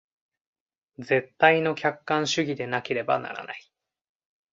絶対の客観主義でなければならない。